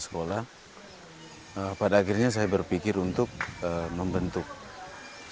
saya juga sudah berusaha untuk membuat komponen untuk membuat desa binaan